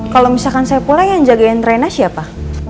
kalau misalkan saya pulang yang jagain rena siapa